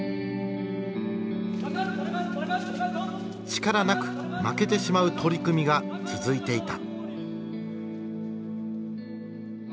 力なく負けてしまう取組が続いていた。